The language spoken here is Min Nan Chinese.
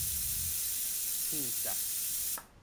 片節